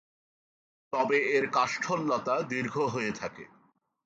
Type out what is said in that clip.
তবে এর কাষ্ঠল লতা দীর্ঘ হয়ে থাকে।